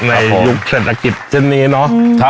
ในยุคเศรษฐกิจเช่นนี้เนาะ